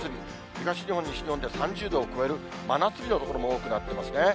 東日本、西日本で３０度を超える真夏日の所も多くなってますね。